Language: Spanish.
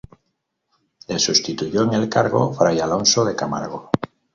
Le sustituyó en el cargo fray Alonso de Camargo.